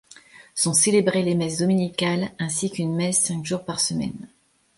Sont célébrées les messes dominicales ainsi qu'une messe cinq jours par semaine.